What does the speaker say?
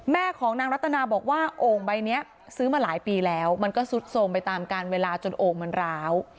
แม่ของนางรัตนาบอกว่าโอ่งใบนี้ซื้อมาหลายปีแล้วมันก็ซุดโทรมไปตามการเวลาจนโอ่งมันร้าว